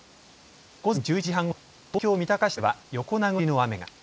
午前１１時半ごろ、東京三鷹市では横殴りの雨が。